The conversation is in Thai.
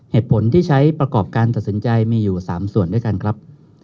เหตุผลที่ใช้ประกอบการตัดสินใจมีอยู่๓ส่วนด้วยกันครับ